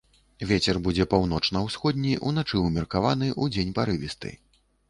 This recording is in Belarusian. Вецер будзе паўночна-ўсходні, уначы ўмеркаваны, удзень парывісты.